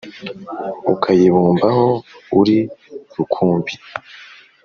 Ukayibumbaho uri rukumbi!"